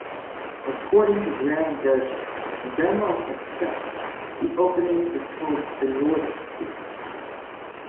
According to Graham Burgess, in Denmark itself, the opening is called the Nordic Gambit.